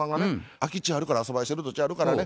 「空き地あるから遊ばしてる土地あるからね